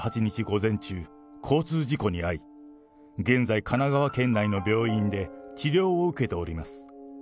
午前中、交通事故に遭い、現在、神奈川県内の病院で治療を受けております。